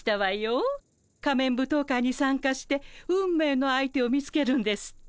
仮面舞踏会に参加して運命の相手を見つけるんですって？